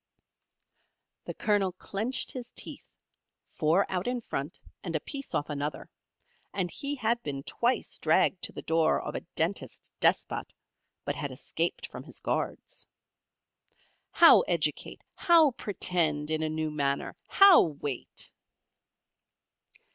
The Colonel clenched his teeth four out in front, and a piece off another, and he had been twice dragged to the door of a dentist despot, but had escaped from his guards. "How educate? How pretend in a new manner? How wait?"